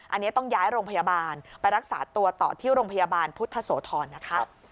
อันนี้ต้องย้ายโรงพยาบาลไปรักษาตัวต่อที่โรงพยาบาลพุทธโสธรนะคะ